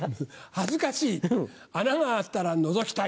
恥ずかしい穴があったらのぞきたい。